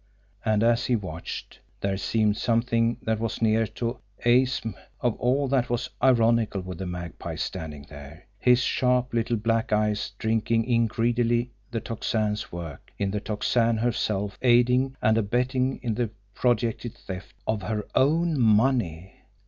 And as he watched, there seemed something that was near to the acme of all that was ironical in the Magpie standing there, his sharp, little, black eyes drinking in greedily the Tocsin's work, in the Tocsin herself aiding and abetting in the projected theft OF HER OWN MONEY!